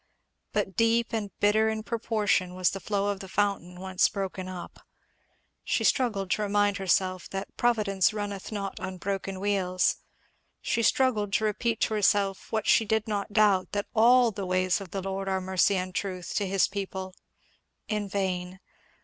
But deep and bitter in proportion was the flow of the fountain once broken up. She struggled to remind herself that "Providence runneth not on broken wheels," she struggled to repeat to herself, what she did not doubt that "all the ways of the Lord are mercy and truth" to his people; in vain.